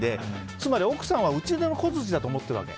つまり奥さんは打ち出の小づちだと思っているわけ。